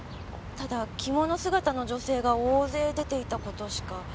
ただ着物姿の女性が大勢出ていた事しか。